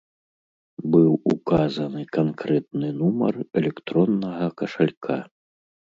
Быў указаны канкрэтны нумар электроннага кашалька.